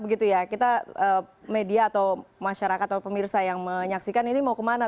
begitu ya kita media atau masyarakat atau pemirsa yang menyaksikan ini mau kemana